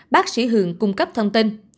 bác sĩ hường cung cấp thông tin